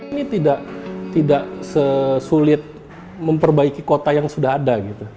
ini tidak sesulit memperbaiki kota yang sudah ada